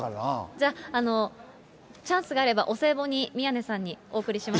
じゃあ、チャンスがあれば、お歳暮に宮根さんにお送りします。